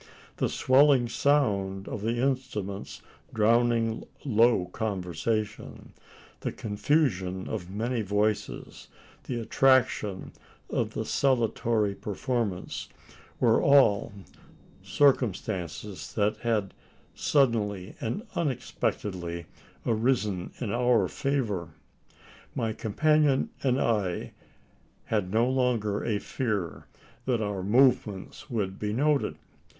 The swelling sound of the instruments drowning low conversation the confusion of many voices the attraction of the saltatory performance were all circumstances that had suddenly and unexpectedly arisen in our favour. My companion and I had no longer a fear that our movements would be noted.